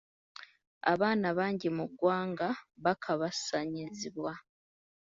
Abaana bangi mu ggwanga bakabasanyizibwa.